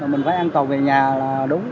mình phải an toàn về nhà là đúng